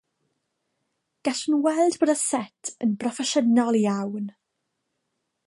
Gallwn weld bod y set yn broffesiynol iawn